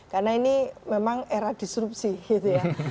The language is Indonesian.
karena ini memang era disrupsi gitu ya